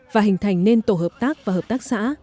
và hình thành nên tổ hợp tác và hợp tác xã